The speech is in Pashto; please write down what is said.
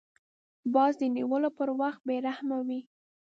باز د نیولو پر وخت بې رحمه وي